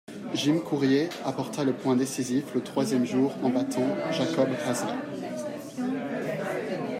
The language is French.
Jim Courier apporta le point décisif le troisième jour en battant Jakob Hlasek.